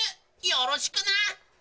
よろしくな！